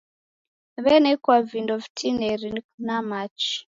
W'enekwa vindo vitineri na machi.